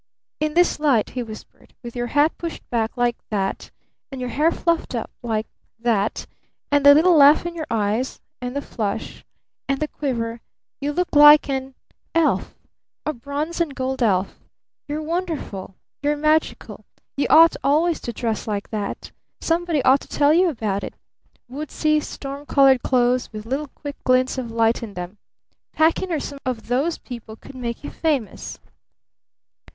"In this light," he whispered, "with your hat pushed back like that! and your hair fluffed up like that! and the little laugh in your eyes! and the flush! and the quiver! you look like an elf! A bronze and gold elf! You're wonderful! You're magical! You ought always to dress like that! Somebody ought to tell you about it! Woodsy, storm colored clothes with little quick glints of light in them! Paquin or some of those people could make you famous!"